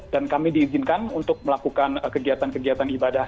dan kami diizinkan untuk melakukan kegiatan kegiatan ibadah